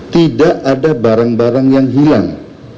tidak ada barang barang yang hilang